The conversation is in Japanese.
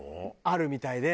あるみたいで。